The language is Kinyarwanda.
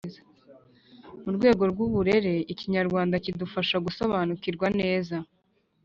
Mu rwego rw’uburere, Ikinyarwanda kidufasha gusobanukirwa neza